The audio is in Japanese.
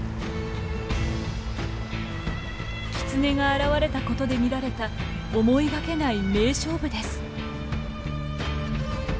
キツネが現れたことで見られた思いがけない名勝負です。